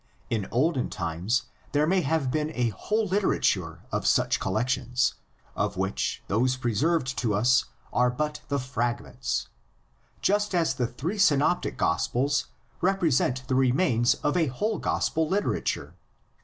In olden times there may have been a whole litera ture of such collections, of which those preserved to us are but the fragments, just as the three synoptic gospels represent the remains of a whole gospel literature.